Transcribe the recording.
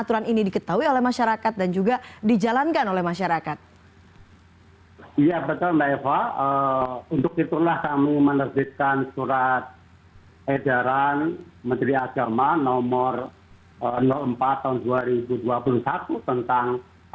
bagaimana kemudian memastikan